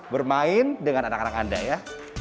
bermain dengan anak anak anda ya